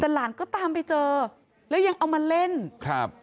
แต่หลานก็ตามไปเจอแล้วยังเอามาเล่นครับ